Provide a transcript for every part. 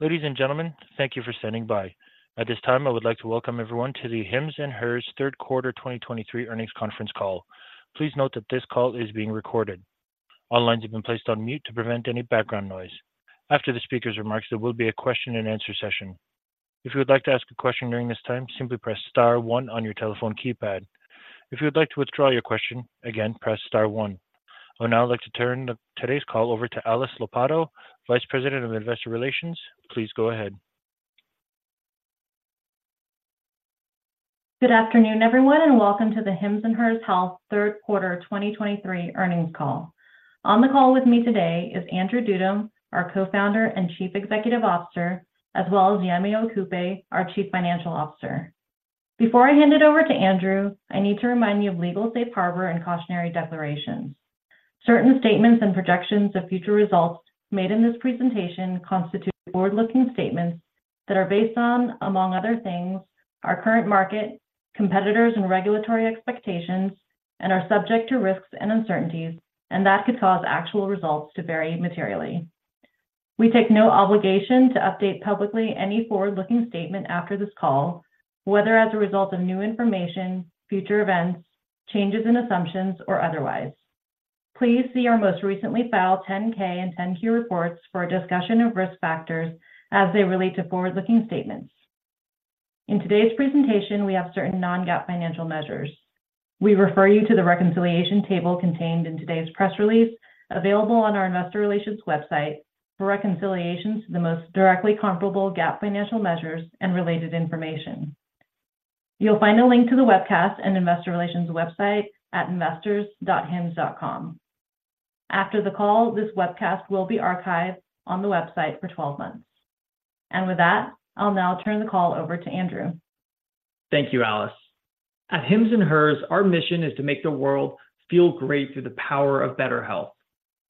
Ladies and gentlemen, thank you for standing by. At this time, I would like to welcome everyone to the Hims & Hers Third Quarter 2023 Earnings Conference Call. Please note that this call is being recorded. All lines have been placed on mute to prevent any background noise. After the speaker's remarks, there will be a question-and-answer session. If you would like to ask a question during this time, simply press star one on your telephone keypad. If you would like to withdraw your question, again, press star one. I would now like to turn today's call over to Alice Lopatto, Vice President of Investor Relations. Please go ahead. Good afternoon, everyone, and welcome to the Hims & Hers Health Third Quarter 2023 Earnings Call. On the call with me today is Andrew Dudum, our Co-Founder and Chief Executive Officer, as well as Yemi Okupe, our Chief Financial Officer. Before I hand it over to Andrew, I need to remind you of legal safe harbor and cautionary declarations. Certain statements and projections of future results made in this presentation constitute forward-looking statements that are based on, among other things, our current market, competitors, and regulatory expectations, and are subject to risks and uncertainties, and that could cause actual results to vary materially. We take no obligation to update publicly any forward-looking statement after this call, whether as a result of new information, future events, changes in assumptions, or otherwise. Please see our most recently filed 10-K and 10-Q reports for a discussion of risk factors as they relate to forward-looking statements. In today's presentation, we have certain non-GAAP financial measures. We refer you to the reconciliation table contained in today's press release, available on our investor relations website, for reconciliations to the most directly comparable GAAP financial measures and related information. You'll find a link to the webcast and Investor Relations website at investors.hims.com. After the call, this webcast will be archived on the website for 12 months. With that, I'll now turn the call over to Andrew. Thank you, Alice. At Hims & Hers, our mission is to make the world feel great through the power of better health.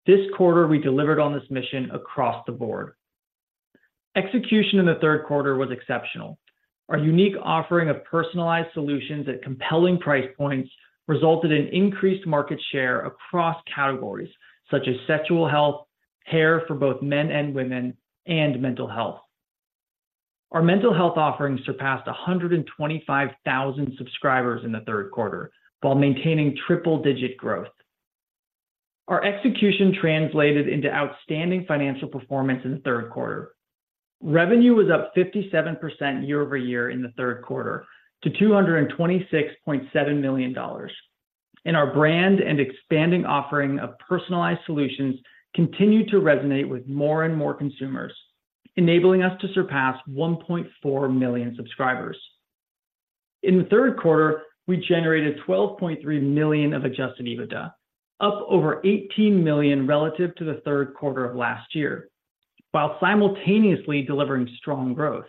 This quarter, we delivered on this mission across the board. Execution in the third quarter was exceptional. Our unique offering of personalized solutions at compelling price points resulted in increased market share across categories such as sexual health, hair for both men and women, and mental health. Our mental health offerings surpassed 125,000 subscribers in the third quarter, while maintaining triple-digit growth. Our execution translated into outstanding financial performance in the third quarter. Revenue was up 57% YoY in the third quarter to $226.7 million, and our brand and expanding offering of personalized solutions continued to resonate with more and more consumers, enabling us to surpass 1.4 million subscribers. In the third quarter, we generated $12.3 million of Adjusted EBITDA, up over $18 million relative to the third quarter of last year, while simultaneously delivering strong growth.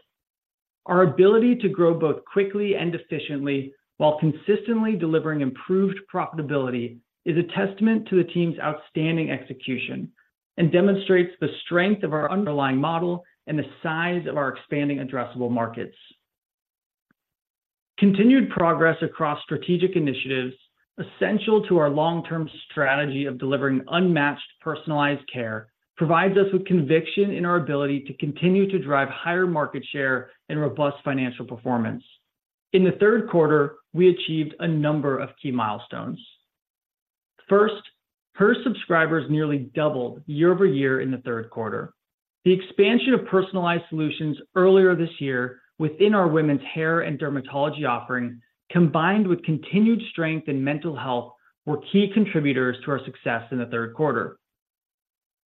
Our ability to grow both quickly and efficiently while consistently delivering improved profitability is a testament to the team's outstanding execution and demonstrates the strength of our underlying model and the size of our expanding addressable markets. Continued progress across strategic initiatives, essential to our long-term strategy of delivering unmatched personalized care, provides us with conviction in our ability to continue to drive higher market share and robust financial performance. In the third quarter, we achieved a number of key milestones. First, paid subscribers nearly doubled YoY in the third quarter. The expansion of personalized solutions earlier this year within our women's hair and dermatology offering, combined with continued strength in mental health, were key contributors to our success in the third quarter.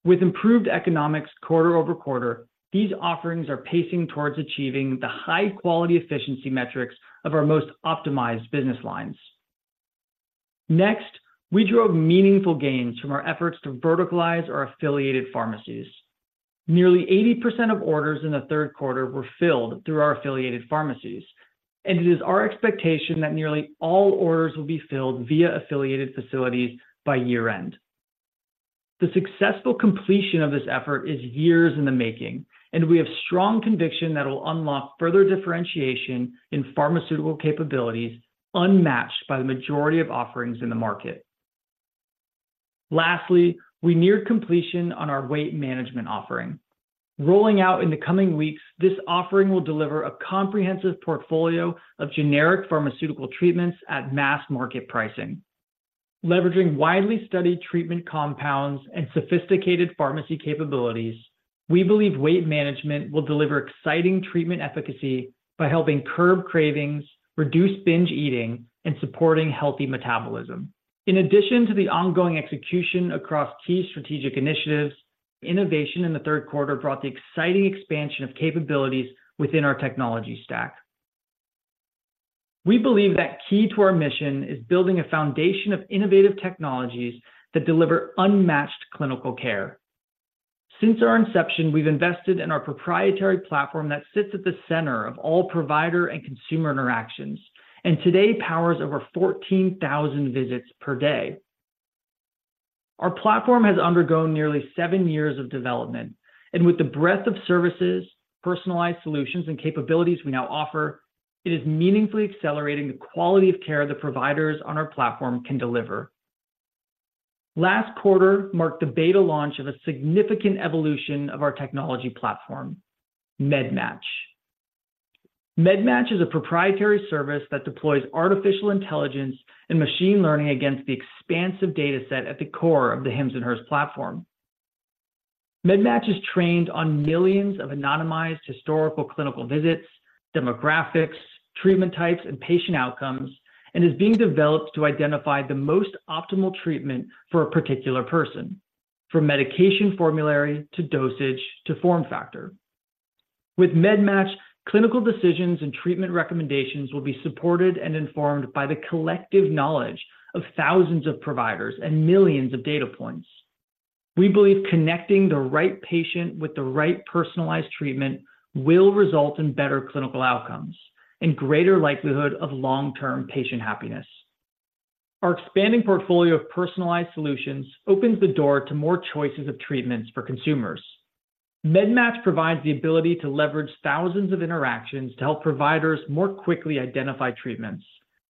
With improved economics QoQ, these offerings are pacing towards achieving the high quality efficiency metrics of our most optimized business lines. Next, we drove meaningful gains from our efforts to verticalize our affiliated pharmacies. Nearly 80% of orders in the third quarter were filled through our affiliated pharmacies, and it is our expectation that nearly all orders will be filled via affiliated facilities by year-end. The successful completion of this effort is years in the making, and we have strong conviction that it will unlock further differentiation in pharmaceutical capabilities, unmatched by the majority of offerings in the market. Lastly, we neared completion on our weight management offering. Rolling out in the coming weeks, this offering will deliver a comprehensive portfolio of generic pharmaceutical treatments at mass market pricing. Leveraging widely studied treatment compounds and sophisticated pharmacy capabilities, we believe weight management will deliver exciting treatment efficacy by helping curb cravings, reduce binge eating, and supporting healthy metabolism. In addition to the ongoing execution across key strategic initiatives, innovation in the third quarter brought the exciting expansion of capabilities within our technology stack. We believe that key to our mission is building a foundation of innovative technologies that deliver unmatched clinical care. Since our inception, we've invested in our proprietary platform that sits at the center of all provider and consumer interactions, and today powers over 14,000 visits per day. Our platform has undergone nearly seven years of development, and with the breadth of services, personalized solutions, and capabilities we now offer, it is meaningfully accelerating the quality of care the providers on our platform can deliver. Last quarter marked the beta launch of a significant evolution of our technology platform, MedMatch. MedMatch is a proprietary service that deploys artificial intelligence and machine learning against the expansive data set at the core of the Hims & Hers platform. MedMatch is trained on millions of anonymized historical clinical visits, demographics, treatment types, and patient outcomes, and is being developed to identify the most optimal treatment for a particular person, from medication formulary, to dosage, to form factor. With MedMatch, clinical decisions and treatment recommendations will be supported and informed by the collective knowledge of thousands of providers and millions of data points. We believe connecting the right patient with the right personalized treatment will result in better clinical outcomes and greater likelihood of long-term patient happiness. Our expanding portfolio of personalized solutions opens the door to more choices of treatments for consumers. MedMatch provides the ability to leverage thousands of interactions to help providers more quickly identify treatments,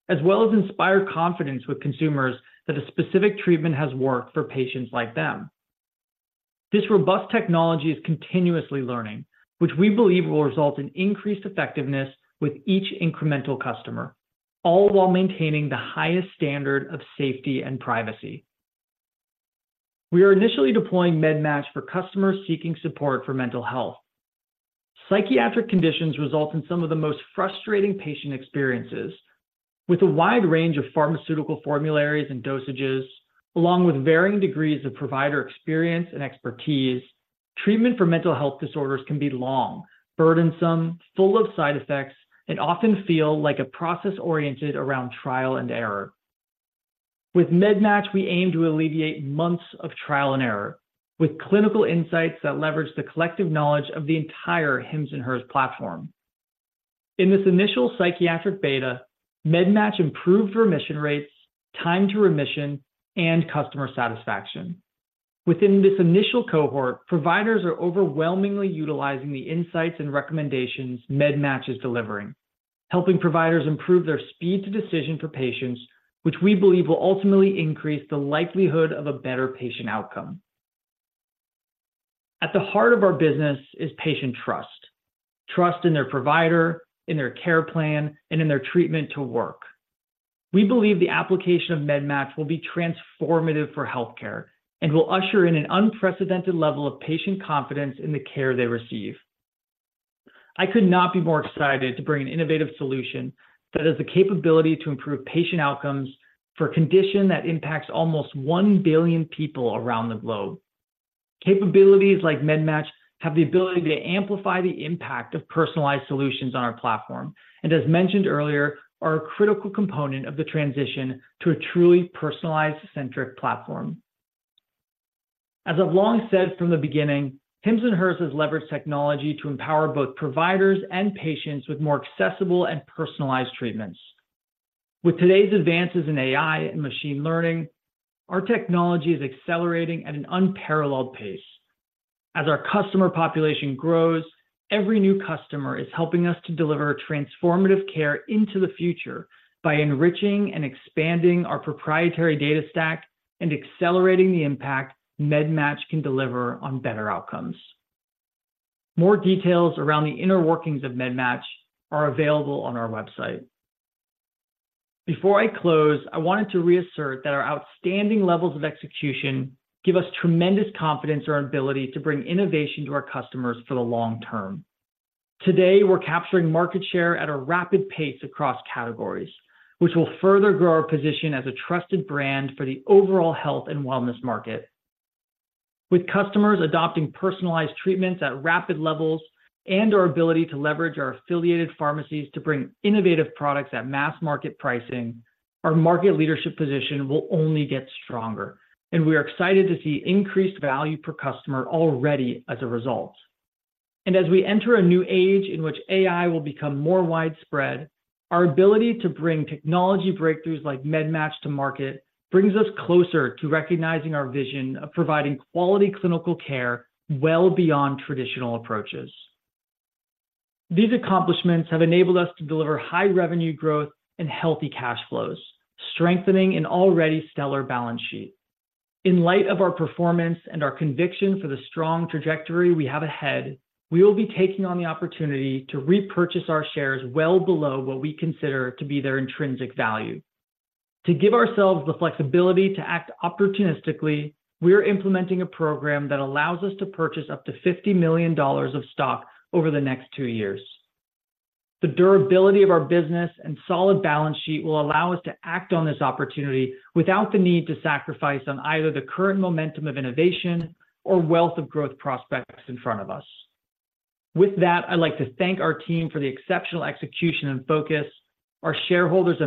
as well as inspire confidence with consumers that a specific treatment has worked for patients like them. This robust technology is continuously learning, which we believe will result in increased effectiveness with each incremental customer, all while maintaining the highest standard of safety and privacy. We are initially deploying MedMatch for customers seeking support for mental health. Psychiatric conditions result in some of the most frustrating patient experiences. With a wide range of pharmaceutical formularies and dosages, along with varying degrees of provider experience and expertise, treatment for mental health disorders can be long, burdensome, full of side effects, and often feel like a process oriented around trial and error. With MedMatch, we aim to alleviate months of trial and error, with clinical insights that leverage the collective knowledge of the entire Hims & Hers platform. In this initial psychiatric beta, MedMatch improved remission rates, time to remission, and customer satisfaction. Within this initial cohort, providers are overwhelmingly utilizing the insights and recommendations MedMatch is delivering, helping providers improve their speed to decision for patients, which we believe will ultimately increase the likelihood of a better patient outcome. At the heart of our business is patient trust, trust in their provider, in their care plan, and in their treatment to work. We believe the application of MedMatch will be transformative for healthcare and will usher in an unprecedented level of patient confidence in the care they receive. I could not be more excited to bring an innovative solution that has the capability to improve patient outcomes for a condition that impacts almost 1 billion people around the globe. Capabilities like MedMatch have the ability to amplify the impact of personalized solutions on our platform, and as mentioned earlier, are a critical component of the transition to a truly personalized centric platform. As I've long said from the beginning, Hims & Hers has leveraged technology to empower both providers and patients with more accessible and personalized treatments. With today's advances in AI and machine learning, our technology is accelerating at an unparalleled pace. As our customer population grows, every new customer is helping us to deliver transformative care into the future by enriching and expanding our proprietary data stack and accelerating the impact MedMatch can deliver on better outcomes. More details around the inner workings of MedMatch are available on our website. Before I close, I wanted to reassert that our outstanding levels of execution give us tremendous confidence in our ability to bring innovation to our customers for the long term. Today, we're capturing market share at a rapid pace across categories, which will further grow our position as a trusted brand for the overall health and wellness market. With customers adopting personalized treatments at rapid levels and our ability to leverage our affiliated pharmacies to bring innovative products at mass market pricing, our market leadership position will only get stronger, and we are excited to see increased value per customer already as a result. As we enter a new age in which AI will become more widespread, our ability to bring technology breakthroughs like MedMatch to market brings us closer to recognizing our vision of providing quality clinical care well beyond traditional approaches. These accomplishments have enabled us to deliver high revenue growth and healthy cash flows, strengthening an already stellar balance sheet. In light of our performance and our conviction for the strong trajectory we have ahead, we will be taking on the opportunity to repurchase our shares well below what we consider to be their intrinsic value. To give ourselves the flexibility to act opportunistically, we are implementing a program that allows us to purchase up to $50 million of stock over the next two years. The durability of our business and solid balance sheet will allow us to act on this opportunity without the need to sacrifice on either the current momentum of innovation or wealth of growth prospects in front of us. With that, I'd like to thank our team for the exceptional execution and focus, our shareholders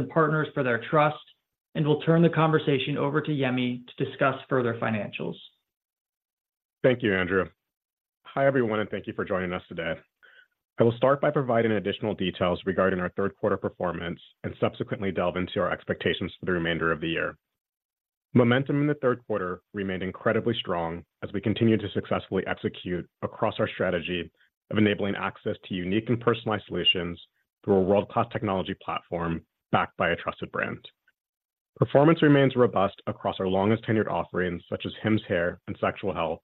and partners for their trust, and will turn the conversation over to Yemi to discuss further financials. Thank you, Andrew. Hi, everyone, and thank you for joining us today. I will start by providing additional details regarding our third quarter performance and subsequently delve into our expectations for the remainder of the year. Momentum in the third quarter remained incredibly strong as we continued to successfully execute across our strategy of enabling access to unique and personalized solutions. Through a world-class technology platform backed by a trusted brand. Performance remains robust across our longest-tenured offerings, such as Hims hair and sexual health,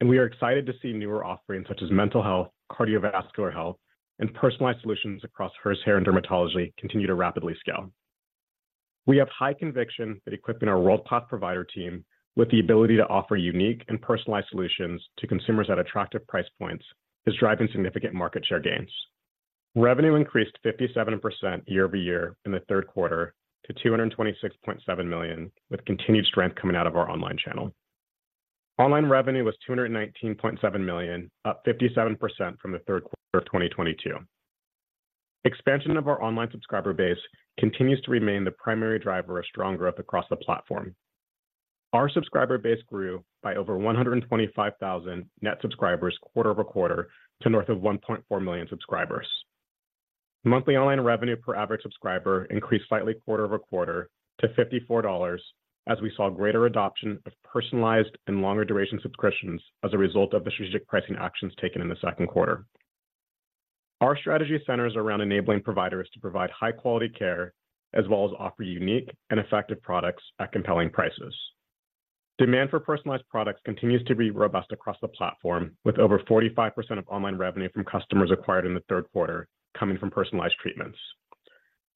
and we are excited to see newer offerings such as mental health, cardiovascular health, and personalized solutions across Hers hair and dermatology continue to rapidly scale. We have high conviction that equipping our world-class provider team with the ability to offer unique and personalized solutions to consumers at attractive price points is driving significant market share gains. Revenue increased 57% YoY in the third quarter to $226.7 million, with continued strength coming out of our online channel. Online revenue was $219.7 million, up 57% from the third quarter of 2022. Expansion of our online subscriber base continues to remain the primary driver of strong growth across the platform. Our subscriber base grew by over 125,000 net subscribers QoQ to north of 1.4 million subscribers. Monthly online revenue per average subscriber increased slightly QoQ to $54, as we saw greater adoption of personalized and longer duration subscriptions as a result of the strategic pricing actions taken in the second quarter. Our strategy centers around enabling providers to provide high-quality care, as well as offer unique and effective products at compelling prices. Demand for personalized products continues to be robust across the platform, with over 45% of online revenue from customers acquired in the third quarter coming from personalized treatments.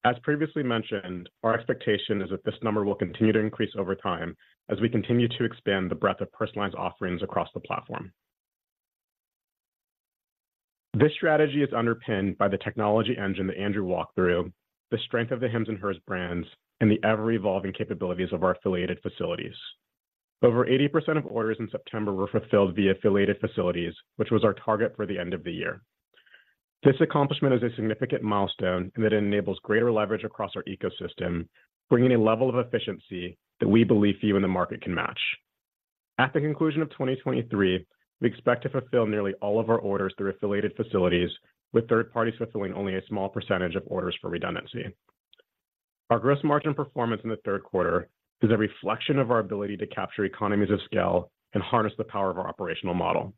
As previously mentioned, our expectation is that this number will continue to increase over time as we continue to expand the breadth of personalized offerings across the platform. This strategy is underpinned by the technology engine that Andrew walked through, the strength of the Hims and Hers brands, and the ever-evolving capabilities of our affiliated facilities. Over 80% of orders in September were fulfilled via affiliated facilities, which was our target for the end of the year. This accomplishment is a significant milestone, and it enables greater leverage across our ecosystem, bringing a level of efficiency that we believe few in the market can match. At the conclusion of 2023, we expect to fulfill nearly all of our orders through affiliated facilities, with third parties fulfilling only a small percentage of orders for redundancy. Our gross margin performance in the third quarter is a reflection of our ability to capture economies of scale and harness the power of our operational model.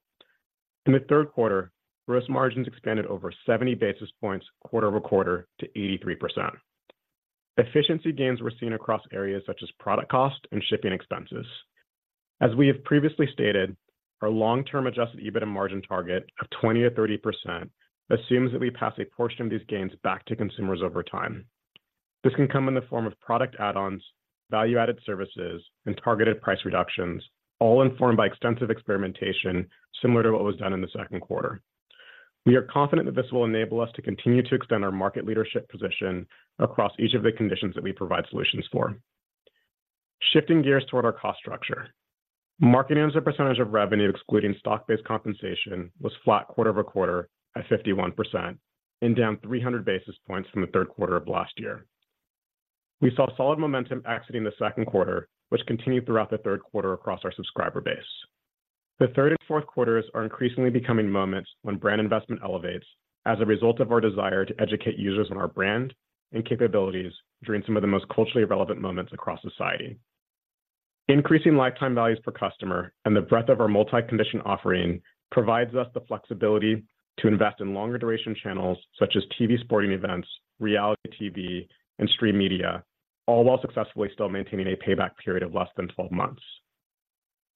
In the third quarter, gross margins expanded over 70 basis points QoQ to 83%. Efficiency gains were seen across areas such as product cost and shipping expenses. As we have previously stated, our long-term Adjusted EBITDA margin target of 20%-30% assumes that we pass a portion of these gains back to consumers over time. This can come in the form of product add-ons, value-added services, and targeted price reductions, all informed by extensive experimentation, similar to what was done in the second quarter. We are confident that this will enable us to continue to extend our market leadership position across each of the conditions that we provide solutions for. Shifting gears toward our cost structure. Marketing as a percentage of revenue, excluding stock-based compensation, was flat QoQ at 51% and down 300 basis points from the third quarter of last year. We saw solid momentum exiting the second quarter, which continued throughout the third quarter across our subscriber base. The third and fourth quarters are increasingly becoming moments when brand investment elevates as a result of our desire to educate users on our brand and capabilities during some of the most culturally relevant moments across society. Increasing lifetime values per customer and the breadth of our multi-condition offering provides us the flexibility to invest in longer duration channels such as TV sporting events, reality TV, and streaming media, all while successfully still maintaining a payback period of less than 12 months.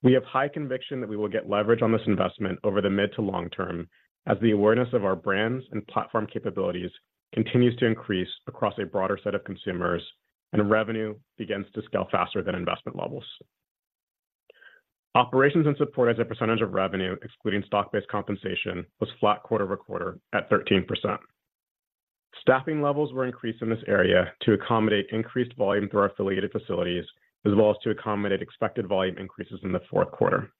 We have high conviction that we will get leverage on this investment over the mid to long-term, as the awareness of our brands and platform capabilities continues to increase across a broader set of consumers, and revenue begins to scale faster than investment levels. Operations and support as a percentage of revenue, excluding stock-based compensation, was flat QoQ at 13%. Staffing levels were increased in this area to accommodate increased volume through our affiliated facilities, as well as to accommodate expected volume increases in the fourth quarter.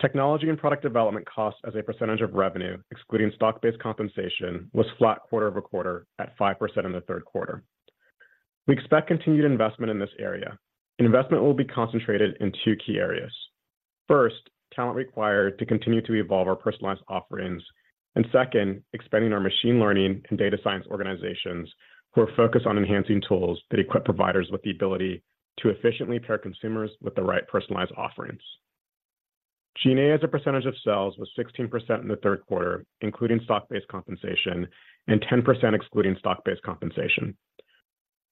Technology and product development costs as a percentage of revenue, excluding stock-based compensation, was flat QoQ at 5% in the third quarter. We expect continued investment in this area. Investment will be concentrated in two key areas. First, talent required to continue to evolve our personalized offerings, and second, expanding our machine learning and data science organizations, who are focused on enhancing tools that equip providers with the ability to efficiently pair consumers with the right personalized offerings. G&A, as a percentage of sales, was 16% in the third quarter, including stock-based compensation, and 10% excluding stock-based compensation.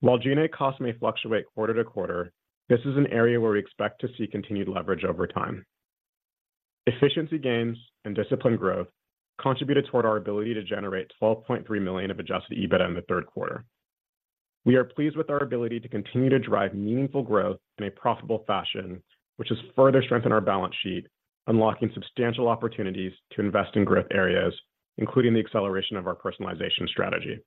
While G&A costs may fluctuate QoQ, this is an area where we expect to see continued leverage over time. Efficiency gains and disciplined growth contributed toward our ability to generate $12.3 million of adjusted EBITDA in the third quarter. We are pleased with our ability to continue to drive meaningful growth in a profitable fashion, which has further strengthened our balance sheet, unlocking substantial opportunities to invest in growth areas, including the acceleration of our personalization strategy.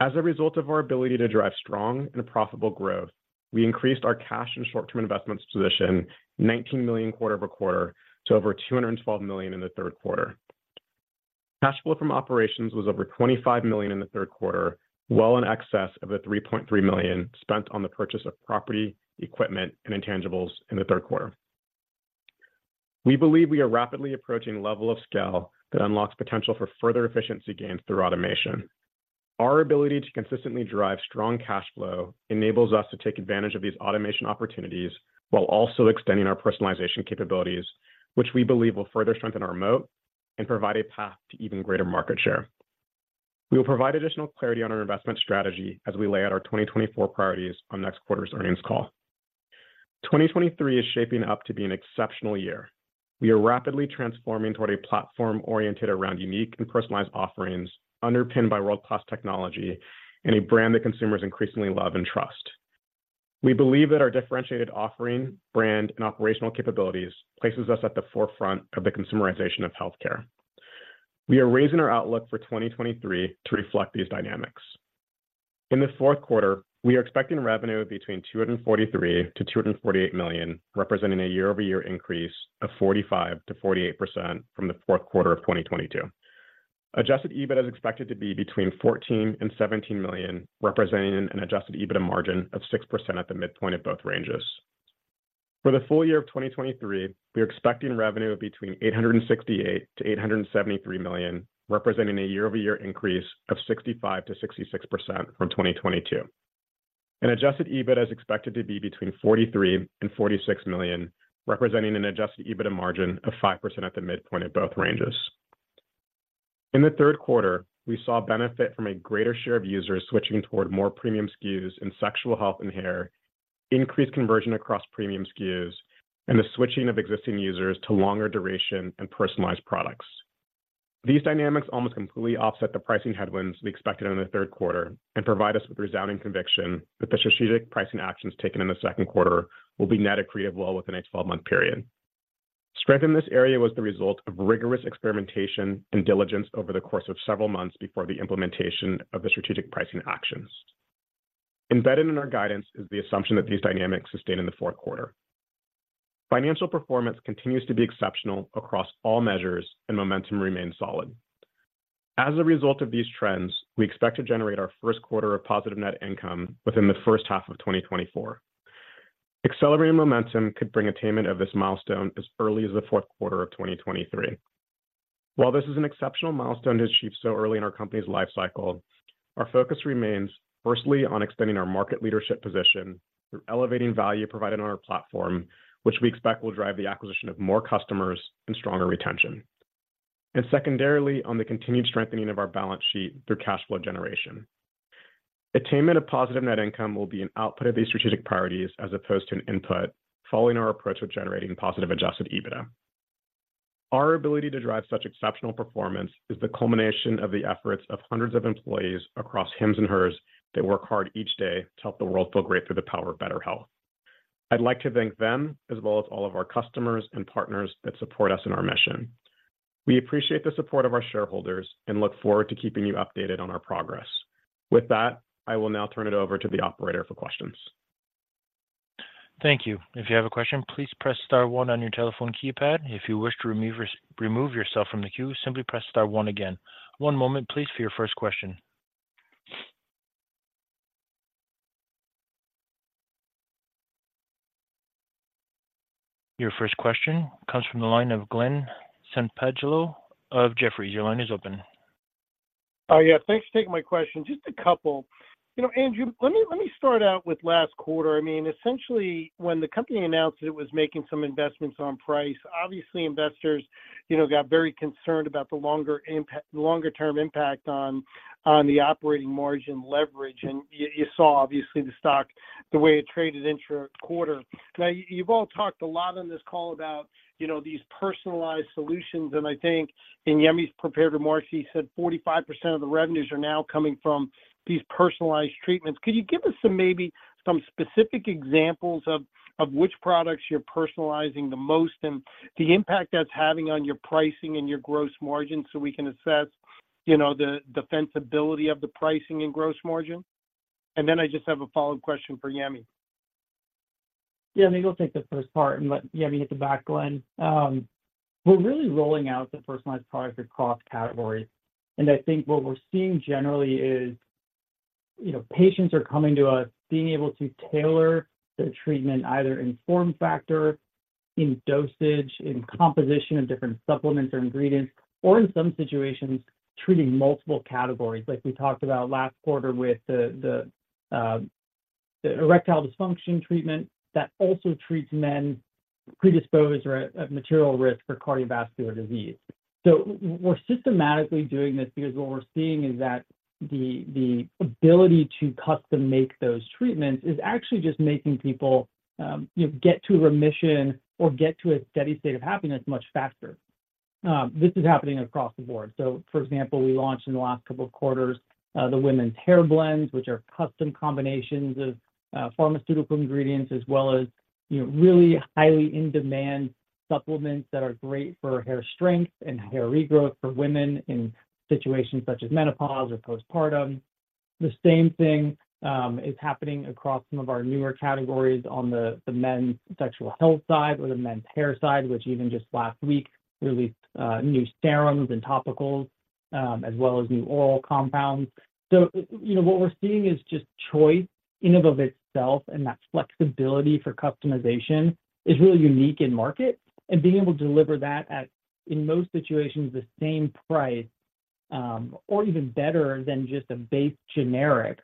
As a result of our ability to drive strong and profitable growth, we increased our cash and short-term investments position $19 million QoQ to over $212 million in the third quarter. Cash flow from operations was over $25 million in the third quarter, well in excess of the $3.3 million spent on the purchase of property, equipment, and intangibles in the third quarter. We believe we are rapidly approaching a level of scale that unlocks potential for further efficiency gains through automation. Our ability to consistently drive strong cash flow enables us to take advantage of these automation opportunities while also extending our personalization capabilities, which we believe will further strengthen our moat and provide a path to even greater market share. We will provide additional clarity on our investment strategy as we lay out our 2024 priorities on next quarter's earnings call. 2023 is shaping up to be an exceptional year. We are rapidly transforming toward a platform oriented around unique and personalized offerings, underpinned by world-class technology and a brand that consumers increasingly love and trust. We believe that our differentiated offering, brand, and operational capabilities places us at the forefront of the consumerization of healthcare. We are raising our outlook for 2023 to reflect these dynamics. In the fourth quarter, we are expecting revenue between $243 million-$248 million, representing a YoY increase of 45%-48% from the fourth quarter of 2022. Adjusted EBITDA is expected to be between $14 million-$17 million, representing an adjusted EBITDA margin of 6% at the midpoint of both ranges. For the full year of 2023, we are expecting revenue of between $868 million-$873 million, representing a YoY increase of 65%-66% from 2022. An adjusted EBITDA is expected to be between $43 million-$46 million, representing an adjusted EBITDA margin of 5% at the midpoint of both ranges. In the third quarter, we saw benefit from a greater share of users switching toward more premium SKUs in sexual health and hair, increased conversion across premium SKUs, and the switching of existing users to longer duration and personalized products. These dynamics almost completely offset the pricing headwinds we expected in the third quarter and provide us with resounding conviction that the strategic pricing actions taken in the second quarter will be net accretive well within the next 12-month period. Strength in this area was the result of rigorous experimentation and diligence over the course of several months before the implementation of the strategic pricing actions. Embedded in our guidance is the assumption that these dynamics sustain in the fourth quarter. Financial performance continues to be exceptional across all measures, and momentum remains solid. As a result of these trends, we expect to generate our first quarter of positive net income within the first half of 2024. Accelerated momentum could bring attainment of this milestone as early as the fourth quarter of 2023. While this is an exceptional milestone to achieve so early in our company's life cycle, our focus remains firstly on extending our market leadership position through elevating value provided on our platform, which we expect will drive the acquisition of more customers and stronger retention. And secondarily, on the continued strengthening of our balance sheet through cash flow generation. Attainment of positive net income will be an output of these strategic priorities as opposed to an input, following our approach with generating positive Adjusted EBITDA. Our ability to drive such exceptional performance is the culmination of the efforts of hundreds of employees across Hims & Hers that work hard each day to help the world feel great through the power of better health. I'd like to thank them, as well as all of our customers and partners that support us in our mission. We appreciate the support of our shareholders and look forward to keeping you updated on our progress. With that, I will now turn it over to the operator for questions. Thank you. If you have a question, please press star one on your telephone keypad. If you wish to remove yourself from the queue, simply press star one again. One moment, please, for your first question. Your first question comes from the line of Glen Santangelo of Jefferies. Your line is open. Oh, yeah, thanks for taking my question. Just a couple. You know, Andrew, let me, let me start out with last quarter. I mean, essentially, when the company announced that it was making some investments on price, obviously, investors, you know, got very concerned about the longer impact, longer term impact on, on the operating margin leverage. And you, you saw obviously the stock, the way it traded intra-quarter. Now, you've all talked a lot on this call about, you know, these personalized solutions, and I think in Yemi's prepared remarks, he said 45% of the revenues are now coming from these personalized treatments. Could you give us some, maybe some specific examples of, of which products you're personalizing the most and the impact that's having on your pricing and your gross margin, so we can assess, you know, the defensibility of the pricing and gross margin? I just have a follow-up question for Yemi. Yeah, maybe I'll take the first part and let Yemi hit the back, Glen. We're really rolling out the personalized products across categories, and I think what we're seeing generally is, you know, patients are coming to us, being able to tailor their treatment either in form factor, in dosage, in composition of different supplements or ingredients, or in some situations, treating multiple categories, like we talked about last quarter with the erectile dysfunction treatment that also treats men predisposed or at material risk for cardiovascular disease. So we're systematically doing this because what we're seeing is that the ability to custom-make those treatments is actually just making people, you know, get to remission or get to a steady state of happiness much faster. This is happening across the board. So for example, we launched in the last couple of quarters, the women's hair blends, which are custom combinations of, pharmaceutical ingredients, as well as, you know, really highly in-demand supplements that are great for hair strength and hair regrowth for women in situations such as menopause or postpartum. The same thing, is happening across some of our newer categories on the men's sexual health side or the men's hair side, which even just last week, released, new serums and topicals, as well as new oil compounds. So you know, what we're seeing is just choice in and of itself, and that flexibility for customization is really unique in market. And being able to deliver that at, in most situations, the same price, or even better than just a base generic-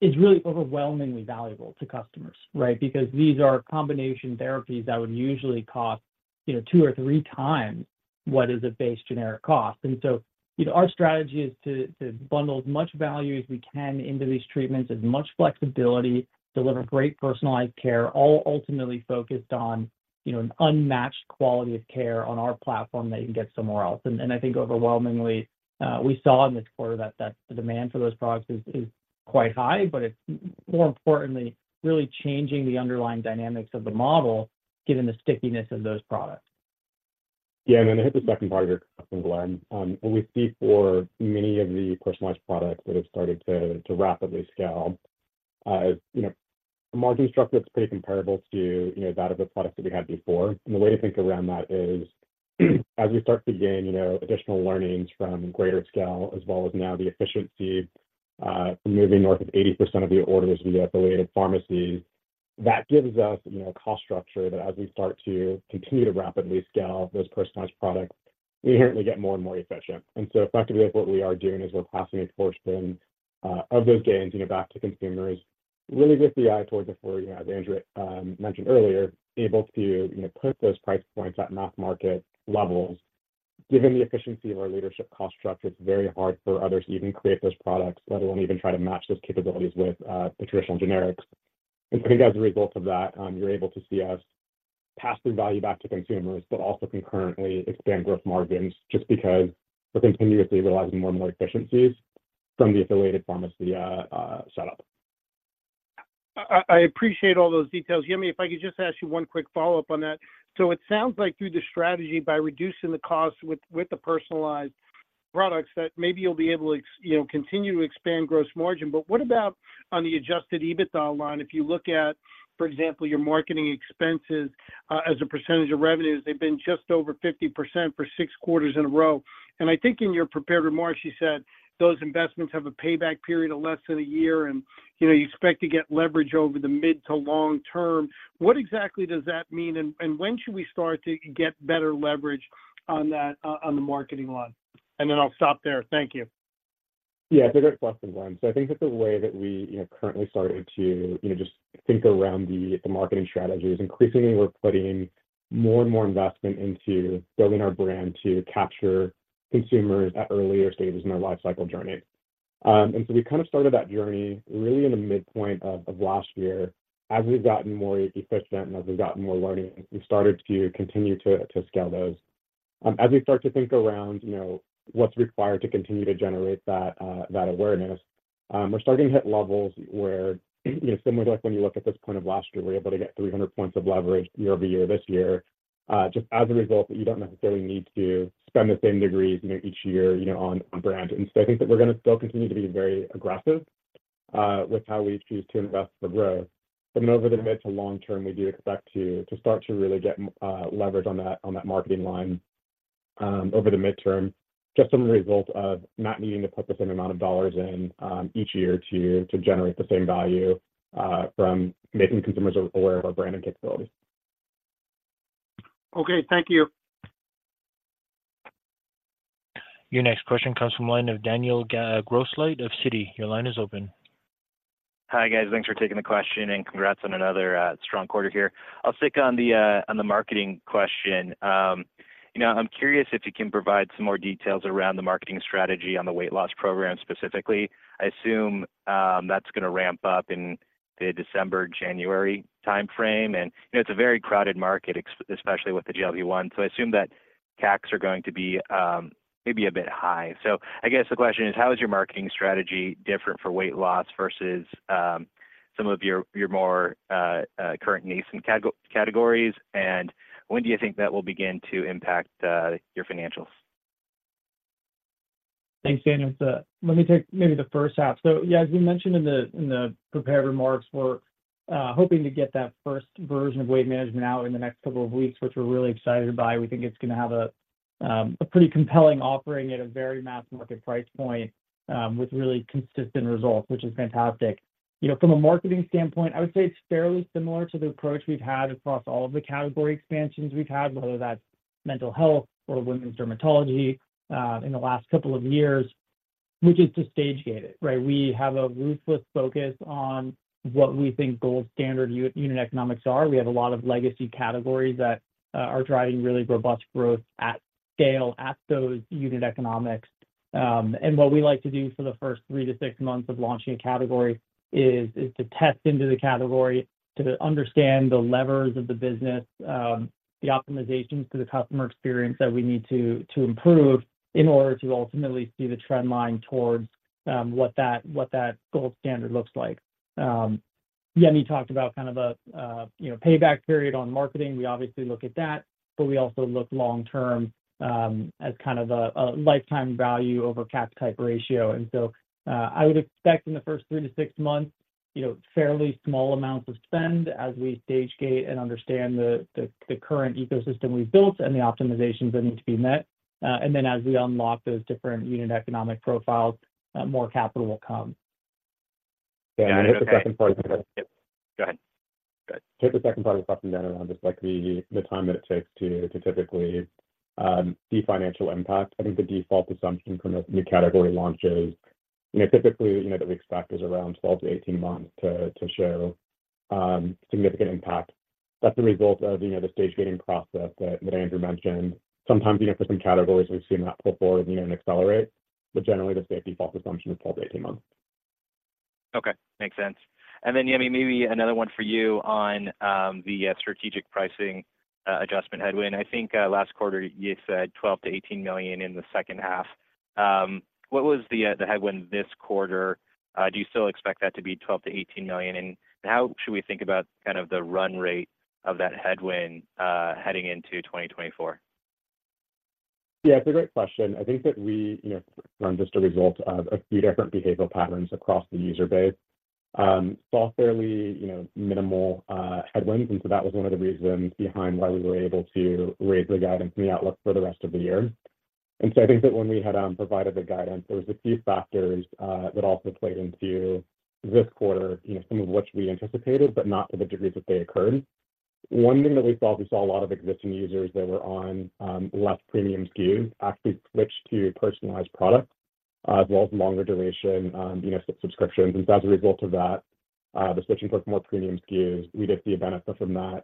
It's really overwhelmingly valuable to customers, right? Because these are combination therapies that would usually cost, you know, two or three times what is a base generic cost. And so, you know, our strategy is to bundle as much value as we can into these treatments, as much flexibility, deliver great personalized care, all ultimately focused on, you know, an unmatched quality of care on our platform that you can get somewhere else. And I think overwhelmingly, we saw in this quarter that the demand for those products is quite high, but it's more importantly, really changing the underlying dynamics of the model, given the stickiness of those products. Yeah, and then to hit the second part of your question, Glen, we see for many of the personalized products that have started to rapidly scale, you know, a margin structure that's pretty comparable to, you know, that of the products that we had before. And the way to think around that is, as we start to gain, you know, additional learnings from greater scale, as well as now the efficiency from moving north of 80% of the orders into the affiliated pharmacy, that gives us, you know, a cost structure that as we start to continue to rapidly scale those personalized products, we inherently get more and more efficient. And so effectively, what we are doing is we're passing a portion of those gains, you know, back to consumers. Really good guide towards before, you know, as Andrew mentioned earlier, able to, you know, put those price points at mass market levels. Given the efficiency of our leadership cost structure, it's very hard for others to even create those products, let alone even try to match those capabilities with the traditional generics. And so I think as a result of that, you're able to see us pass the value back to consumers, but also concurrently expand growth margins, just because we're continuously realizing more and more efficiencies from the affiliated pharmacy setup. I appreciate all those details. Yemi, if I could just ask you one quick follow-up on that. So it sounds like through the strategy, by reducing the cost with the personalized products, that maybe you'll be able to, you know, continue to expand gross margin. But what about on the Adjusted EBITDA line? If you look at, for example, your marketing expenses as a percentage of revenues, they've been just over 50% for six quarters in a row. And I think in your prepared remarks, you said those investments have a payback period of less than a year, and, you know, you expect to get leverage over the mid to long-term. What exactly does that mean, and when should we start to get better leverage on that, on the marketing line? And then I'll stop there. Thank you. Yeah, it's a great question, Glen. So I think that the way that we, you know, currently started to, you know, just think around the marketing strategy is increasingly we're putting more and more investment into building our brand to capture consumers at earlier stages in their life cycle journey. And so we kind of started that journey really in the midpoint of last year. As we've gotten more efficient and as we've gotten more learning, we started to continue to scale those. As we start to think around, you know, what's required to continue to generate that awareness, we're starting to hit levels where, you know, similar to like when you look at this point of last year, we were able to get 300 points of leverage YoY this year, just as a result that you don't necessarily need to spend the same degrees, you know, each year, you know, on brand. And so I think that we're gonna still continue to be very aggressive with how we choose to invest for growth. But then over the mid to long term, we do expect to start to really get leverage on that, on that marketing line, over the midterm, just from the result of not needing to put the same amount of dollars in each year to generate the same value from making consumers aware of our brand and capabilities. Okay, thank you. Your next question comes from line of Daniel Grosslight of Citi. Your line is open. Hi, guys. Thanks for taking the question, and congrats on another strong quarter here. I'll stick on the marketing question. You know, I'm curious if you can provide some more details around the marketing strategy on the weight loss program specifically. I assume that's gonna ramp up in the December-January timeframe. You know, it's a very crowded market, especially with the GLP-1, so I assume that taxes are going to be maybe a bit high. I guess the question is, how is your marketing strategy different for weight loss versus some of your more current needs and categories? When do you think that will begin to impact your financials? Thanks, Daniel. So let me take maybe the first half. So yeah, as we mentioned in the, in the prepared remarks, we're hoping to get that first version of weight management out in the next couple of weeks, which we're really excited by. We think it's gonna have a pretty compelling offering at a very mass market price point, with really consistent results, which is fantastic. You know, from a marketing standpoint, I would say it's fairly similar to the approach we've had across all of the category expansions we've had, whether that's mental health or women's dermatology, in the last couple of years, which is to stage gate it, right? We have a ruthless focus on what we think gold standard unit economics are. We have a lot of legacy categories that are driving really robust growth at scale, at those unit economics. And what we like to do for the first three to six months of launching a category is to test into the category, to understand the levers of the business, the optimizations to the customer experience that we need to improve in order to ultimately see the trend line towards what that gold standard looks like. Yemi talked about kind of a you know, payback period on marketing. We obviously look at that, but we also look long term, as kind of a lifetime value over CAC type ratio. And so, I would expect in the first three to six months, you know, fairly small amounts of spend as we stage gate and understand the current ecosystem we've built and the optimizations that need to be met. And then as we unlock those different unit economic profiles, more capital will come. Yeah, okay. Second part. Yep, go ahead.... Take the second part of the question down around just like the time that it takes to typically see financial impact. I think the default assumption from a new category launch is, you know, typically, you know, that we expect is around 12-18 months to show significant impact. That's a result of, you know, the stage gating process that Andrew mentioned. Sometimes, you know, for some categories, we've seen that pull forward, you know, and accelerate, but generally, the safety default assumption is 12-18 months. Okay, makes sense. And then, Yemi, maybe another one for you on the strategic pricing adjustment headwind. I think, last quarter, you said $12 million-$18 million in the second half. What was the headwind this quarter? Do you still expect that to be $12 million-$18 million? And how should we think about kind of the run rate of that headwind, heading into 2024? Yeah, it's a great question. I think that we, you know, from just a result of a few different behavioral patterns across the user base, saw fairly, you know, minimal headwinds. And so that was one of the reasons behind why we were able to raise the guidance and the outlook for the rest of the year. And so I think that when we had provided the guidance, there was a few factors that also played into this quarter, you know, some of which we anticipated, but not to the degree that they occurred. One thing that we saw, we saw a lot of existing users that were on less premium SKUs actually switch to personalized products as well as longer duration, you know, subscriptions. As a result of that, the switching towards more premium SKUs, we get the benefit from that.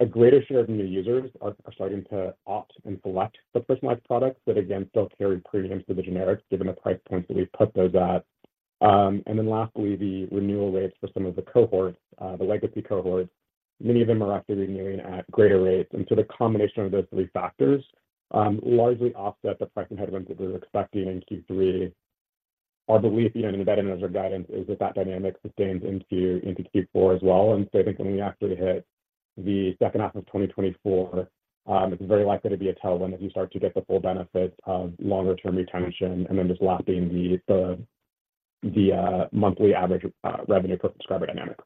A greater share of new users are starting to opt and select the personalized products that, again, still carry premiums to the generics, given the price points that we've put those at. And then lastly, the renewal rates for some of the cohorts, the legacy cohorts, many of them are actually renewing at greater rates. And so the combination of those three factors largely offset the pricing headwind that we were expecting in Q3. Our belief, you know, in the better measure guidance, is that that dynamic sustains into Q4 as well. And so I think when we actually hit the second half of 2024, it's very likely to be a tailwind as you start to get the full benefit of longer-term retention and then just lapping the monthly average revenue per subscriber dynamic.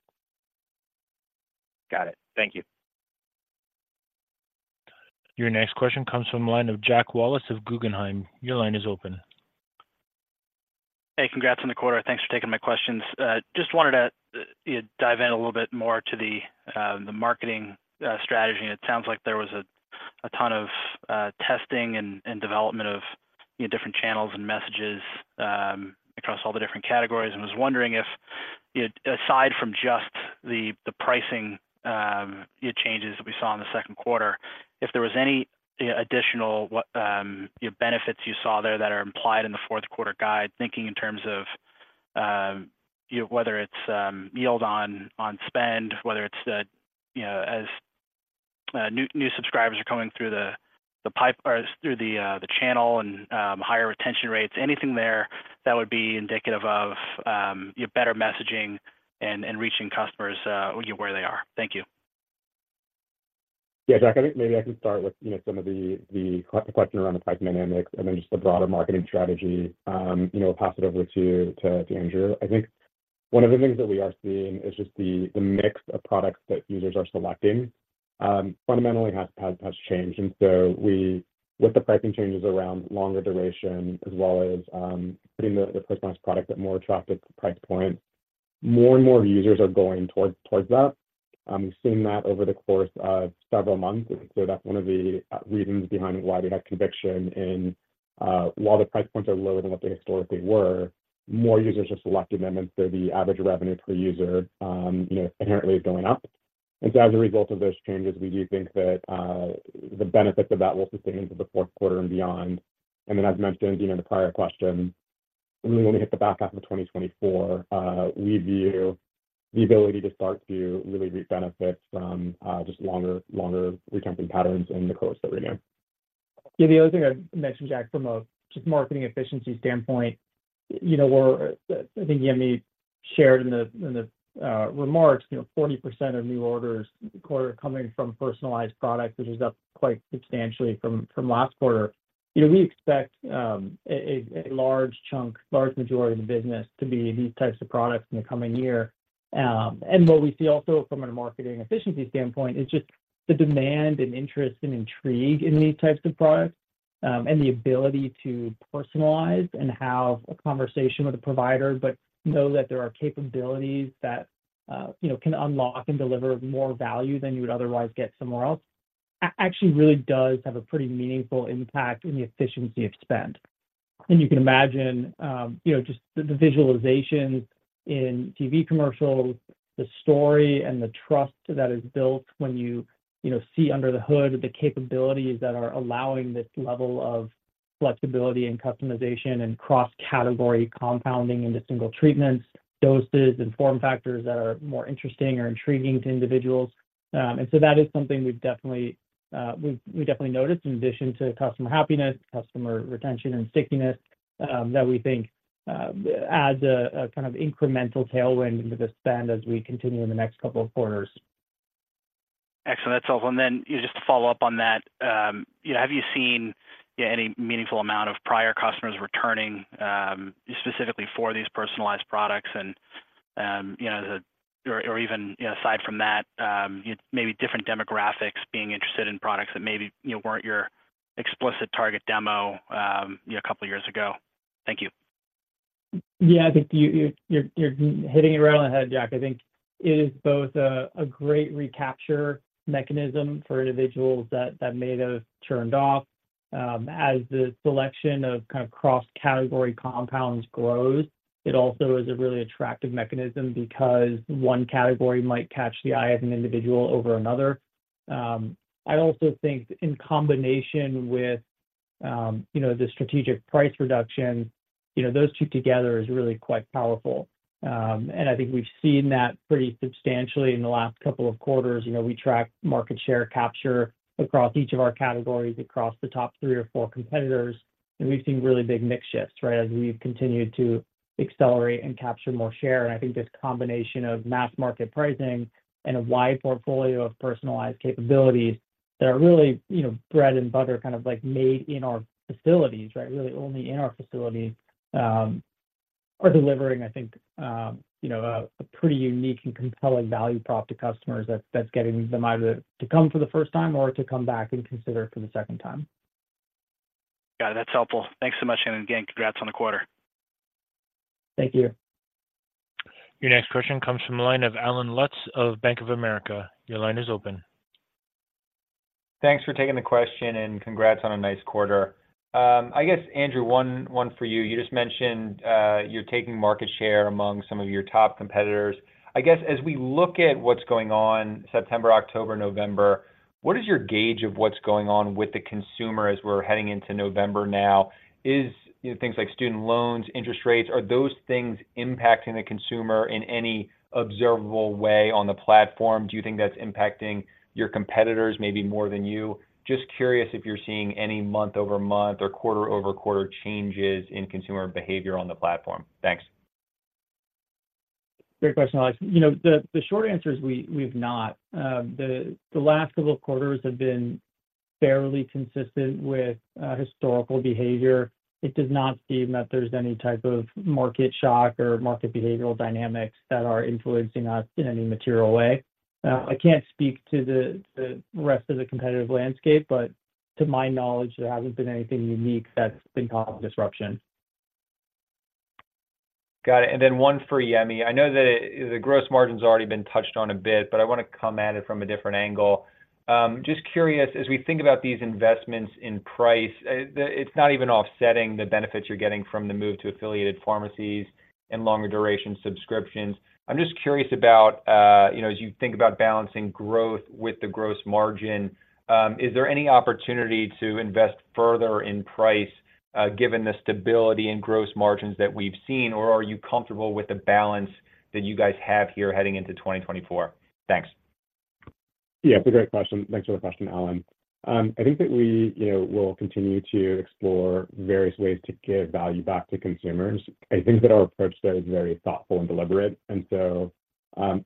Got it. Thank you. Your next question comes from the line of Jack Wallace of Guggenheim. Your line is open. Hey, congrats on the quarter. Thanks for taking my questions. Just wanted to dive in a little bit more to the marketing strategy. It sounds like there was a ton of testing and development of, you know, different channels and messages across all the different categories. And was wondering if, you know, aside from just the pricing changes that we saw in the second quarter, if there was any additional benefits you saw there that are implied in the fourth quarter guide, thinking in terms of, you know, whether it's yield on spend, whether it's the, you know, as new subscribers are coming through the pipe or through the channel and higher retention rates. Anything there that would be indicative of, your better messaging and, and reaching customers, where they are? Thank you. Yeah, Jack, I think maybe I can start with, you know, some of the question around the price dynamics and then just the broader marketing strategy, you know, pass it over to Andrew. I think one of the things that we are seeing is just the mix of products that users are selecting, fundamentally has changed. So we, with the pricing changes around longer duration, as well as putting the personalized product at more attractive price points, more and more users are going towards that. We've seen that over the course of several months, and so that's one of the reasons behind why we have conviction in... While the price points are lower than what they historically were, more users are selecting them, and so the average revenue per user, you know, inherently is going up. And so as a result of those changes, we do think that the benefits of that will sustain into the fourth quarter and beyond. And then, as mentioned, you know, in the prior question, when we hit the back half of 2024, we view the ability to start to really reap benefits from just longer retention patterns in the course that we're in. Yeah, the other thing I'd mention, Jack, from a just marketing efficiency standpoint, you know, we're, I think Yemi shared in the remarks, you know, 40% of new orders quarter coming from personalized products, which is up quite substantially from last quarter. You know, we expect a large chunk, large majority of the business to be these types of products in the coming year. And what we see also from a marketing efficiency standpoint is just the demand and interest and intrigue in these types of products, and the ability to personalize and have a conversation with the provider, but know that there are capabilities that, you know, can unlock and deliver more value than you would otherwise get somewhere else, actually really does have a pretty meaningful impact in the efficiency of spend. And you can imagine, you know, just the visualization in TV commercials, the story and the trust that is built when you, you know, see under the hood the capabilities that are allowing this level of flexibility and customization and cross-category compounding into single treatments, doses, and form factors that are more interesting or intriguing to individuals. And so that is something we've definitely, we've, we definitely noticed, in addition to customer happiness, customer retention, and stickiness, that we think, adds a, a kind of incremental tailwind into the spend as we continue in the next couple of quarters. Excellent, that's all. And then just to follow up on that, you know, have you seen, yeah, any meaningful amount of prior customers returning, specifically for these personalized products? And, you know, or even, you know, aside from that, maybe different demographics being interested in products that maybe, you know, weren't your explicit target demo, you know, a couple of years ago. Thank you. Yeah, I think you're hitting it right on the head, Jack. I think it is both a great recapture mechanism for individuals that may have turned off. As the selection of kind of cross-category compounds grows, it also is a really attractive mechanism because one category might catch the eye of an individual over another. I also think in combination with, you know, the strategic price reduction, you know, those two together is really quite powerful. And I think we've seen that pretty substantially in the last couple of quarters. You know, we track market share capture across each of our categories, across the top three or four competitors, and we've seen really big mix shifts, right, as we've continued to accelerate and capture more share. I think this combination of mass market pricing and a wide portfolio of personalized capabilities that are really, you know, bread and butter, kind of like made in our facilities, right? Really only in our facilities, are delivering, I think, you know, a pretty unique and compelling value prop to customers that's getting them either to come for the first time or to come back and consider for the second time. Got it. That's helpful. Thanks so much, and again, congrats on the quarter. Thank you. Your next question comes from the line of Allen Lutz of Bank of America. Your line is open. Thanks for taking the question, and congrats on a nice quarter. I guess, Andrew, one for you. You just mentioned you're taking market share among some of your top competitors. I guess, as we look at what's going on September, October, November, what is your gauge of what's going on with the consumer as we're heading into November now? Is, you know, things like student loans, interest rates, are those things impacting the consumer in any observable way on the platform? Do you think that's impacting your competitors maybe more than you? Just curious if you're seeing any month-over-month or QoQ changes in consumer behavior on the platform. Thanks. Great question, Allen. You know, the short answer is we, we've not. The last couple of quarters have been fairly consistent with historical behavior. It does not seem that there's any type of market shock or market behavioral dynamics that are influencing us in any material way. I can't speak to the rest of the competitive landscape, but to my knowledge, there hasn't been anything unique that's been causing disruption. Got it, and then one for Yemi. I know that the gross margin's already been touched on a bit, but I want to come at it from a different angle. Just curious, as we think about these investments in price, it's not even offsetting the benefits you're getting from the move to affiliated pharmacies and longer duration subscriptions. I'm just curious about, you know, as you think about balancing growth with the gross margin, is there any opportunity to invest further in price, given the stability in gross margins that we've seen? Or are you comfortable with the balance that you guys have here heading into 2024? Thanks. Yeah, it's a great question. Thanks for the question, Allen. I think that we, you know, will continue to explore various ways to give value back to consumers. I think that our approach there is very thoughtful and deliberate, and so,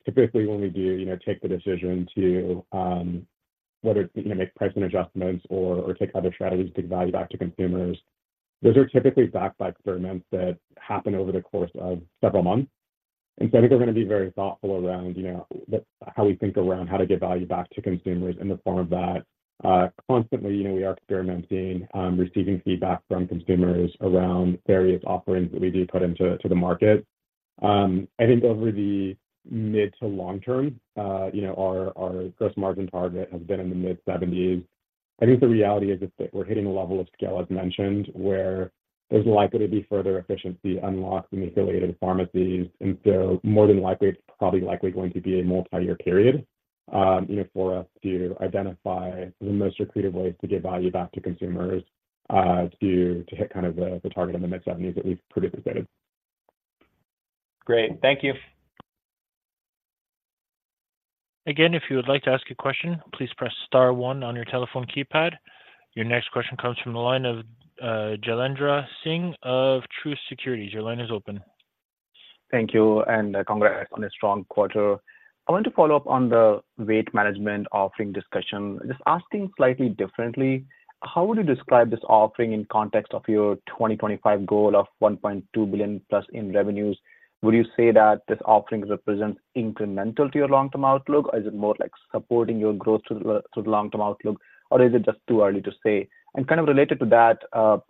typically, when we do, you know, take the decision to, whether to, you know, make pricing adjustments or, or take other strategies to give value back to consumers, those are typically backed by experiments that happen over the course of several months. And so I think we're gonna be very thoughtful around, you know, the, how we think around how to give value back to consumers in the form of that. Constantly, you know, we are experimenting, receiving feedback from consumers around various offerings that we do put into, to the market. I think over the mid to long-term, you know, our, our gross margin target has been in the mid-70s. I think the reality is that we're hitting a level of scale, as mentioned, where there's likely to be further efficiency unlocked in the affiliated pharmacies. And so more than likely, it's probably likely going to be a multi-year period, you know, for us to identify the most accretive ways to give value back to consumers, to, to hit kind of the, the target in the mid-70s that we've predicted. Great. Thank you. Again, if you would like to ask a question, please press star one on your telephone keypad. Your next question comes from the line of, Jailendra Singh of Truist Securities. Your line is open. Thank you, and congrats on a strong quarter. I want to follow up on the weight management offering discussion. Just asking slightly differently, how would you describe this offering in context of your 2025 goal of $1.2 billion+ in revenues? Would you say that this offering represents incremental to your long-term outlook, or is it more like supporting your growth to the long-term outlook, or is it just too early to say? And kind of related to that, I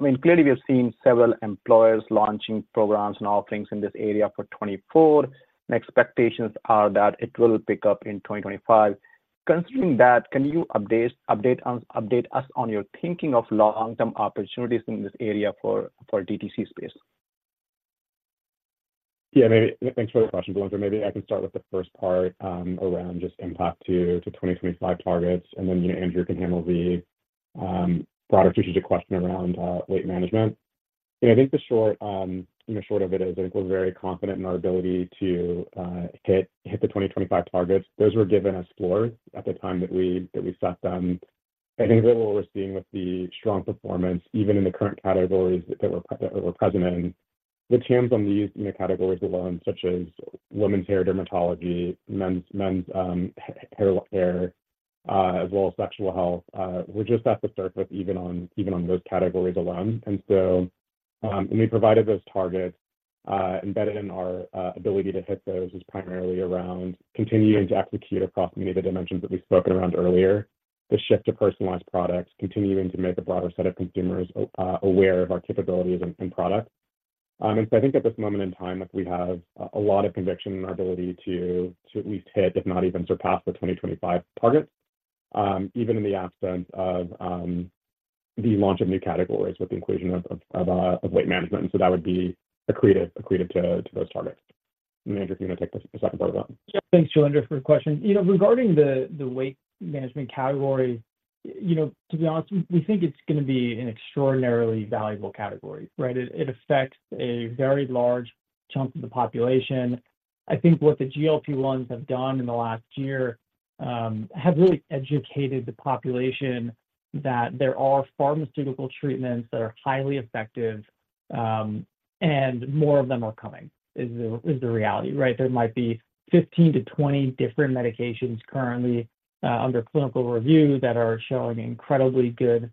mean, clearly, we have seen several employers launching programs and offerings in this area for 2024, and expectations are that it will pick up in 2025. Considering that, can you update us on your thinking of long-term opportunities in this area for DTC space? Yeah, maybe. Thanks for the question, Jailendra. Maybe I can start with the first part, around just impact to 2025 targets, and then, Andrew can handle the product-specific question around weight management. Yeah, I think the short, you know, short of it is, I think we're very confident in our ability to hit the 2025 targets. Those were given as floors at the time that we set them. I think that what we're seeing with the strong performance, even in the current categories that we're present in, the trends on these categories alone, such as women's hair, dermatology, men's hair, as well as sexual health, we're just at the surface even on those categories alone. And so, when we provided those targets, embedded in our ability to hit those is primarily around continuing to execute across many of the dimensions that we've spoken around earlier. The shift to personalized products continuing to make a broader set of consumers aware of our capabilities and product. And so I think at this moment in time, we have a lot of conviction in our ability to at least hit, if not even surpass, the 2025 targets, even in the absence of the launch of new categories with the inclusion of weight management. So that would be accretive to those targets. And Andrew, if you want to take the second part of that? Yeah. Thanks, Jailendra, for the question. You know, regarding the weight management category, you know, to be honest, we think it's going to be an extraordinarily valuable category, right? It affects a very large chunk of the population. I think what the GLP-1s have done in the last year has really educated the population that there are pharmaceutical treatments that are highly effective, and more of them are coming, is the reality, right? There might be 15-20 different medications currently under clinical review that are showing incredibly good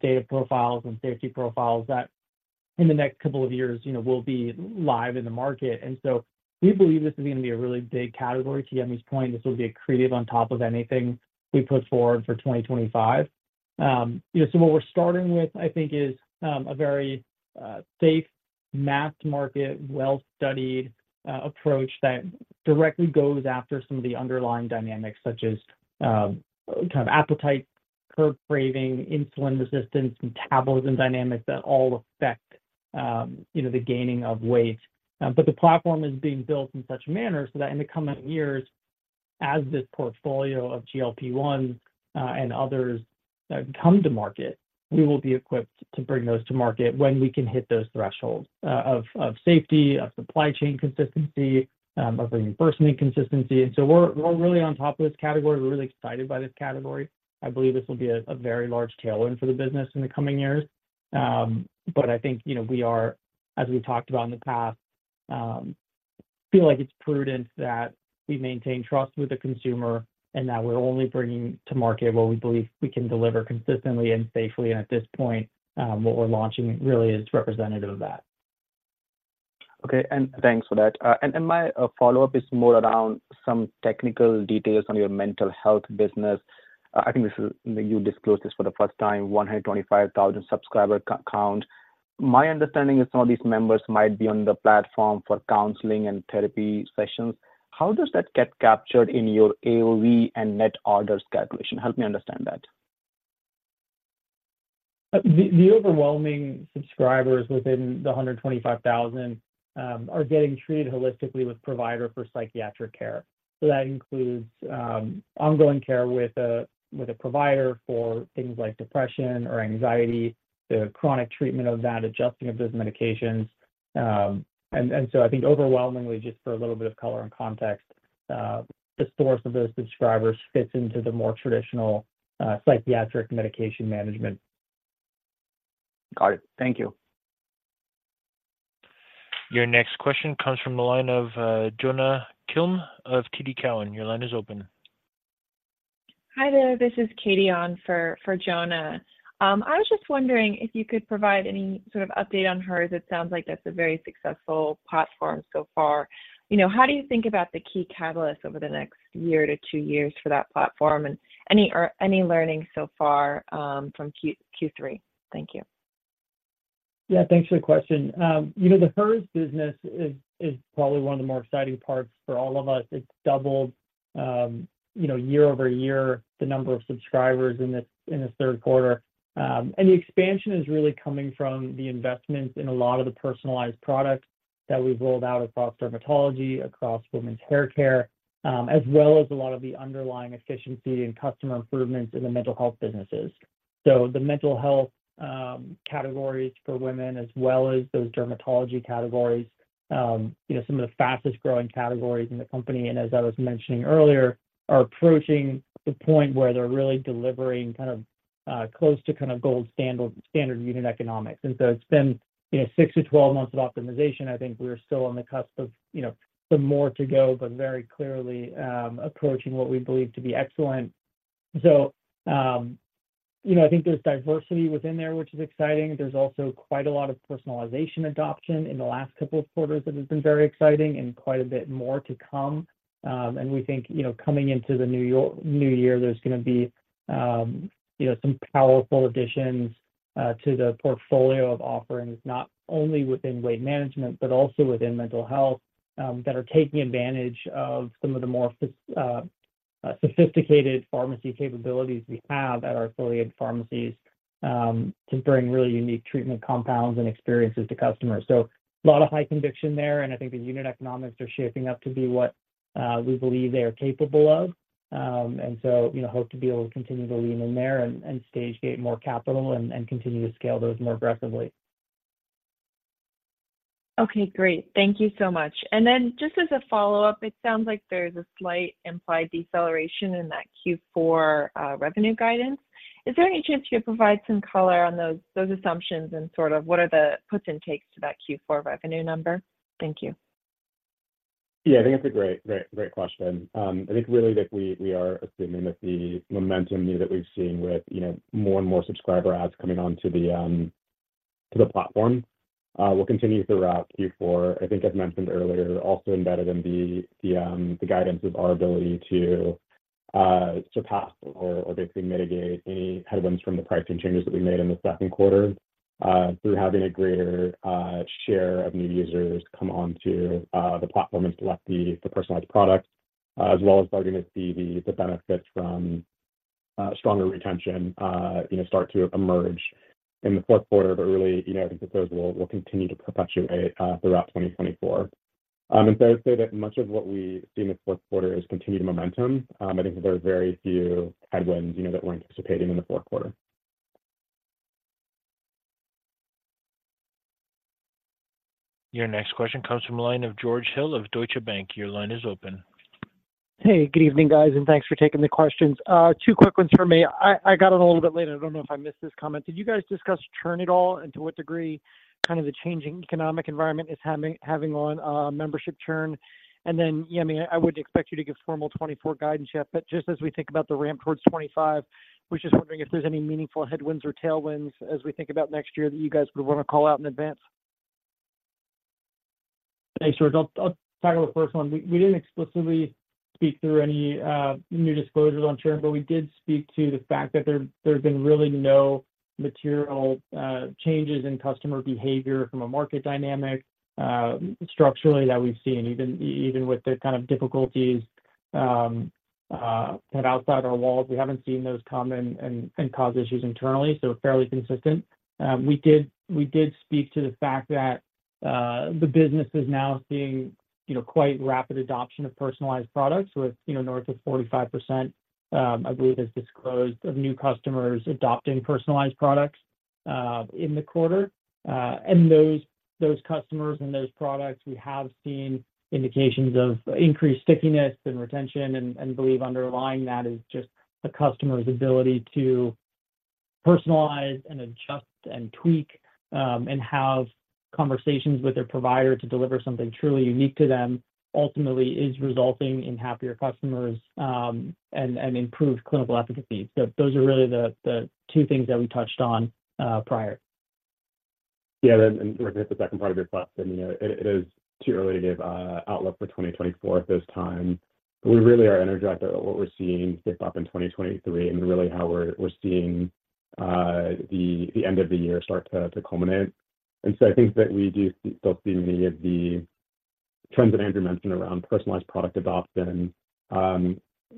data profiles and safety profiles that in the next couple of years, you know, will be live in the market. And so we believe this is going to be a really big category. To Yemi's point, this will be accretive on top of anything we put forward for 2025. You know, so what we're starting with, I think, is a very safe, mass market, well-studied approach that directly goes after some of the underlying dynamics, such as kind of appetite, curb craving, insulin resistance, metabolism dynamics that all affect you know, the gaining of weight. But the platform is being built in such a manner so that in the coming years, as this portfolio of GLP-1 and others come to market, we will be equipped to bring those to market when we can hit those thresholds of safety, of supply chain consistency, of reimbursement consistency. And so we're really on top of this category. We're really excited by this category. I believe this will be a very large tailwind for the business in the coming years. But I think, you know, we are, as we talked about in the past, feel like it's prudent that we maintain trust with the consumer, and that we're only bringing to market what we believe we can deliver consistently and safely. And at this point, what we're launching really is representative of that. Okay, and thanks for that. And my follow-up is more around some technical details on your mental health business. I think this is... You disclosed this for the first time, 125,000 subscriber count. My understanding is some of these members might be on the platform for counseling and therapy sessions. How does that get captured in your AOV and net orders calculation? Help me understand that. The overwhelming subscribers within the 125,000 are getting treated holistically with a provider for psychiatric care. So that includes ongoing care with a provider for things like depression or anxiety, the chronic treatment of that, adjusting of those medications. So I think overwhelmingly, just for a little bit of color and context, the source of those subscribers fits into the more traditional psychiatric medication management. Got it. Thank you. Your next question comes from the line of Jonna Kim of TD Cowen. Your line is open. Hi, there. This is Katie on for Jonna. I was just wondering if you could provide any sort of update on Hers. It sounds like that's a very successful platform so far. You know, how do you think about the key catalysts over the next year to two years for that platform, and any learning so far from Q3? Thank you. Yeah, thanks for the question. You know, the Hers business is probably one of the more exciting parts for all of us. It's doubled, you know, YoY, the number of subscribers in this third quarter. And the expansion is really coming from the investments in a lot of the personalized products that we've rolled out across dermatology, across women's hair care, as well as a lot of the underlying efficiency and customer improvements in the mental health businesses. So the mental health categories for women, as well as those dermatology categories, you know, some of the fastest-growing categories in the company, and as I was mentioning earlier, are approaching the point where they're really delivering kind of, close to kind of gold standard, standard unit economics. And so it's been, you know, six to 12 months of optimization. I think we're still on the cusp of, you know, some more to go, but very clearly approaching what we believe to be excellent. So, you know, I think there's diversity within there, which is exciting. There's also quite a lot of personalization adoption in the last couple of quarters that has been very exciting and quite a bit more to come. And we think, you know, coming into the New Year, there's going to be, you know, some powerful additions to the portfolio of offerings, not only within weight management, but also within mental health, that are taking advantage of some of the more sophisticated pharmacy capabilities we have at our affiliated pharmacies to bring really unique treatment compounds and experiences to customers. So a lot of high conviction there, and I think the unit economics are shaping up to be what we believe they are capable of. And so, you know, hope to be able to continue to lean in there and stage gate more capital and continue to scale those more aggressively. Okay, great. Thank you so much. And then just as a follow-up, it sounds like there's a slight implied deceleration in that Q4 revenue guidance. Is there any chance you could provide some color on those assumptions and sort of what are the puts and takes to that Q4 revenue number? Thank you. Yeah, I think that's a great, great, great question. I think really that we are assuming that the momentum that we've seen with, you know, more and more subscriber adds coming onto the platform, we'll continue throughout Q4. I think as mentioned earlier, also embedded in the guidance of our ability to surpass or basically mitigate any headwinds from the pricing changes that we made in the second quarter through having a greater share of new users come onto the platform and select the personalized product, as well as starting to see the benefits from stronger retention, you know, start to emerge in the fourth quarter. But really, you know, I think those will continue to perpetuate throughout 2024. And so I would say that much of what we see in the fourth quarter is continued momentum. I think there are very few headwinds, you know, that we're anticipating in the fourth quarter. Your next question comes from the line of George Hill of Deutsche Bank. Your line is open. Hey, good evening, guys, and thanks for taking the questions. Two quick ones for me. I got on a little bit later, I don't know if I missed this comment: Did you guys discuss churn at all, and to what degree, kind of the changing economic environment is having on, uh, membership churn? And then, yeah, I mean, I wouldn't expect you to give formal 2024 guidance yet, but just as we think about the ramp towards 2025, was just wondering if there's any meaningful headwinds or tailwinds as we think about next year that you guys would want to call out in advance? Thanks, George. I'll start with the first one. We didn't explicitly speak through any new disclosures on churn, but we did speak to the fact that there's been really no material changes in customer behavior from a market dynamic, structurally, that we've seen. Even with the kind of difficulties had outside our walls, we haven't seen those come and cause issues internally, so fairly consistent. We did speak to the fact that the business is now seeing, you know, quite rapid adoption of personalized products with, you know, north of 45%, I believe, as disclosed, of new customers adopting personalized products in the quarter. And those customers and those products, we have seen indications of increased stickiness and retention and believe underlying that is just the customer's ability to personalize and adjust and tweak and have conversations with their provider to deliver something truly unique to them, ultimately is resulting in happier customers and improved clinical efficacy. So those are really the two things that we touched on prior. Yeah, and with the second part of your question, you know, it is too early to give outlook for 2024 at this time. We really are energized by what we're seeing to kick off in 2023, and really how we're seeing the end of the year start to culminate. And so I think that we do still see many of the trends that Andrew mentioned around personalized product adoption.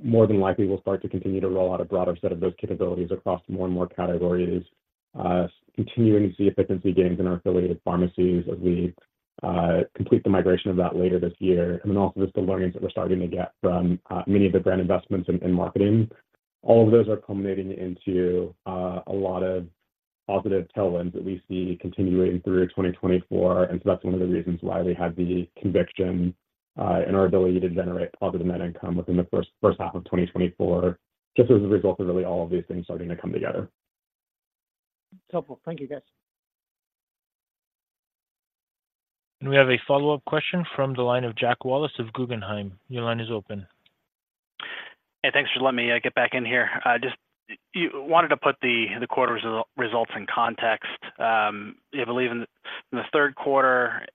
More than likely, we'll start to continue to roll out a broader set of those capabilities across more and more categories, continuing to see efficiency gains in our affiliated pharmacies as we complete the migration of that later this year. And then also just the learnings that we're starting to get from many of the brand investments in marketing. All of those are culminating into a lot of positive tailwinds that we see continuing through 2024. And so that's one of the reasons why we have the conviction in our ability to generate positive net income within the first half of 2024, just as a result of really all of these things starting to come together. Helpful. Thank you, guys. We have a follow-up question from the line of Jack Wallace of Guggenheim. Your line is open. Hey, thanks for letting me get back in here. I just wanted to put the quarter's results in context. I believe in the third quarter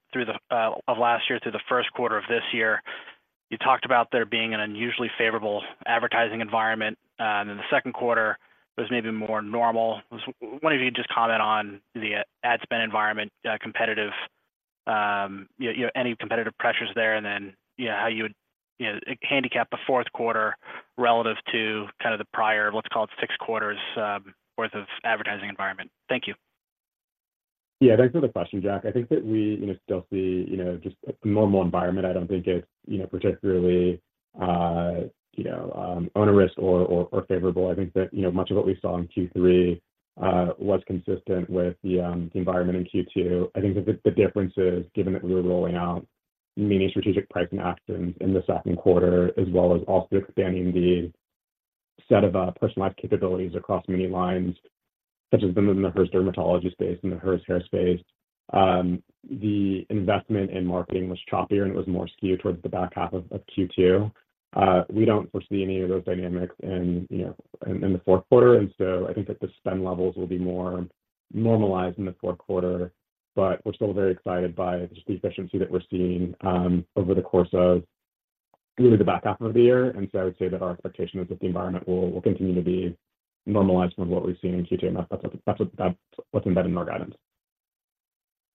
of last year through the first quarter of this year, you talked about there being an unusually favorable advertising environment, and in the second quarter was maybe more normal. Wanting you to just comment on the ad spend environment, competitive, you know, any competitive pressures there, and then, yeah, how you would, you know, handicap the fourth quarter relative to kind of the prior, let's call it six quarters worth of advertising environment. Thank you. Yeah, thanks for the question, Jack. I think that we, you know, still see, you know, just a normal environment. I don't think it's, you know, particularly, you know, onerous or favorable. I think that, you know, much of what we saw in Q3 was consistent with the environment in Q2. I think the difference is, given that we were rolling out many strategic pricing actions in the second quarter, as well as also expanding the set of personalized capabilities across many lines, such as the movement in the Hers dermatology space and the Hers hair space, the investment in marketing was choppier and it was more skewed towards the back half of Q2. We don't foresee any of those dynamics in, you know, the fourth quarter. And so I think that the spend levels will be more normalized in the fourth quarter. But we're still very excited by just the efficiency that we're seeing over the course of really the back half of the year. And so I would say that our expectation is that the environment will, will continue to be normalized from what we've seen in Q2, and that's what, that's what, that's what's embedded in our guidance.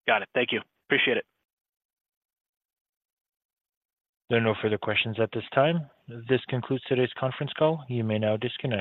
Got it. Thank you. Appreciate it. There are no further questions at this time. This concludes today's conference call. You may now disconnect.